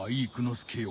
介よ